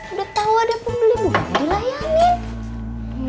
udah tau ada pembeli buah di layan in